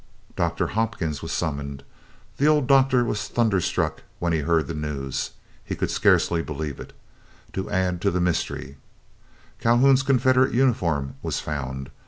Doctor Hopkins was summoned. The old Doctor was thunderstruck when he heard the news. He could scarcely believe it. To add to the mystery, Calhoun's Confederate uniform was found.